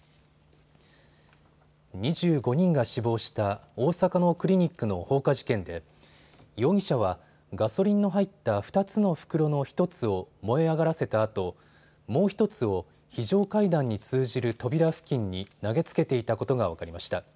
２５人が死亡した大阪のクリニックの放火事件で容疑者はガソリンの入った２つの袋の１つを燃え上がらせたあともう１つを非常階段に通じる扉付近に投げつけていたことが分かりました。